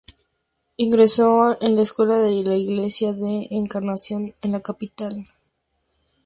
Ingresó a la escuela de la iglesia de la Encarnación en la capital.